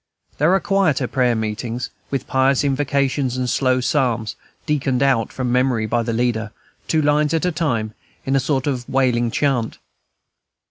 Then there are quieter prayer meetings, with pious invocations and slow psalms, "deaconed out" from memory by the leader, two lines at a time, in a sort of wailing chant.